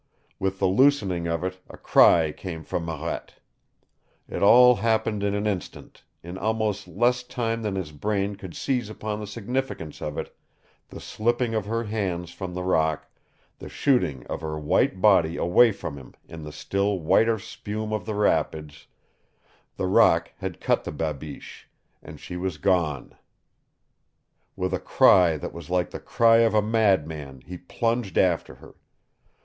With the loosening of it a cry came from Marette. It all happened in an instant, in almost less time than his brain could seize upon the significance of it the slipping of her hands from the rock, the shooting of her white body away from him in the still whiter spume of the rapids, The rock had cut the babiche, and she was gone! With a cry that was like the cry of a madman he plunged after her.